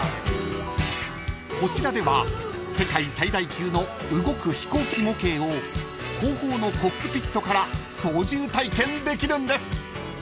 ［こちらでは世界最大級の動く飛行機模型を後方のコックピットから操縦体験できるんです］